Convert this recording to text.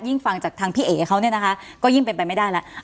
ฟังจากทางพี่เอ๋เขาเนี่ยนะคะก็ยิ่งเป็นไปไม่ได้แล้ว